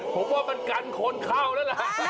ผมว่ามันกันคนเข้าแล้วล่ะ